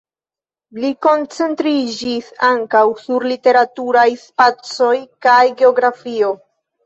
Li koncentriĝis ankaŭ sur literaturaj spacoj kaj geografio.